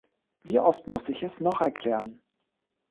Wie oft muss ich es noch erklären?